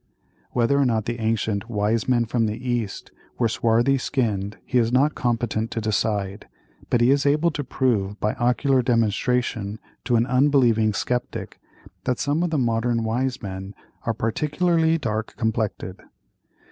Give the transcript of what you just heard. Whether or not the ancient "wise men from the East" were swarthy skinned he is not competent to decide; but he is able to prove, by ocular demonstration, to an unbelieving sceptic, that some of the modern "wise men" are particularly "dark complected."